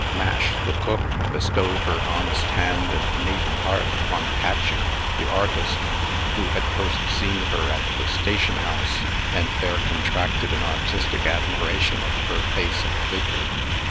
Mash, the cook, bestowed her honest hand and maiden heart upon Patching, the artist, who had first seen her at the station house, and there contracted an artistic admiration of her face and figure.